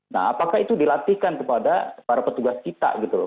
nah apakah itu dilatihkan kepada para petugas kita gitu loh